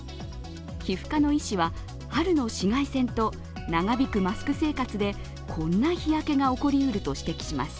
皮膚科の医師は春の紫外線と長引くマスク生活でこんな日焼けが起こりうると指摘します。